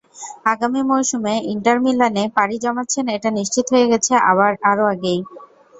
আগামী মৌসুমে ইন্টার মিলানে পাড়ি জমাচ্ছেন এটা নিশ্চিত হয়ে গেছে আরও আগেই।